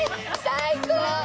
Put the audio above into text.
最高！